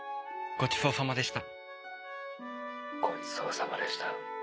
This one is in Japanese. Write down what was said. ごちそうさまでした。